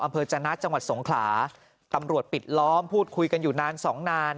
จนะจังหวัดสงขลาตำรวจปิดล้อมพูดคุยกันอยู่นานสองนาน